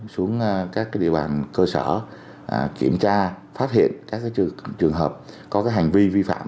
xuống các địa bàn cơ sở kiểm tra phát hiện các trường hợp có hành vi vi phạm